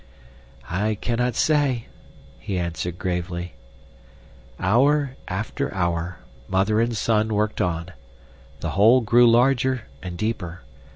"I cannot say," he answered gravely. Hour after hour, mother and son worked on. The hole grew larger and deeper.